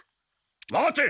待て！